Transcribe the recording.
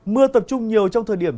mưa tập trung nhiều trong thời điểm